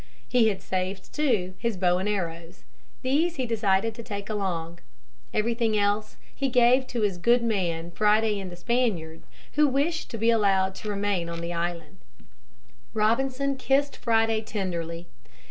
He had saved, too, his bow and arrows. These he decided to take along. Everything else he gave to his good man Friday and the Spaniard who wished to be allowed to remain on the island. [Illustration: ROBINSON LEAVING THE ISLAND] Robinson kissed Friday tenderly.